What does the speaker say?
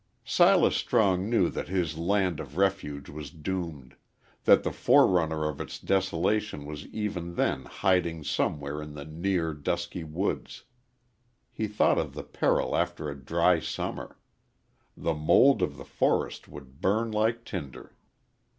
_ Silas Strong knew that his land of refuge was doomed that the forerunner of its desolation was even then hiding somewhere in the near, dusky woods. He thought of the peril after a dry summer. The mould of the forest would burn like tinder.